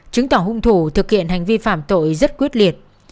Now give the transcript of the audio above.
chứng tỏ hung thủ thực hiện hành vi phạm tội rất quyết liệt